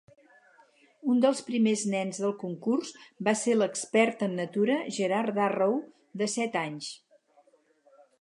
Un dels primers nens del concurs va ser l'expert en natura Gerard Darrow, de set anys.